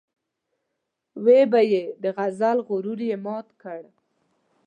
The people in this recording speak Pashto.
ويل به يې د غزل غرور یې مات کړ.